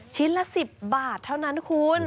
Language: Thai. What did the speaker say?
ละ๑๐บาทเท่านั้นคุณ